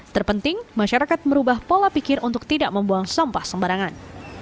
terpenting masyarakat merubah pola pikir untuk tidak membuang sampah sembarangan